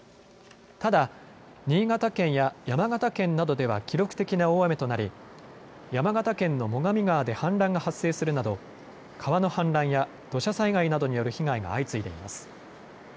ただ、新潟県や山形県などでは記録的な大雨となり山形県の最上川で氾濫が発生するなど川の氾濫や土砂災害などによる被害が相次いでいます。